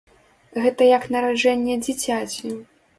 Гэта як нараджэнне дзіцяці!